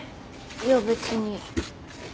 いや別に。